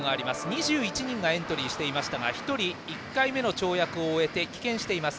２１人がエントリーしていましたが１人、１回目の跳躍を終えて棄権しています。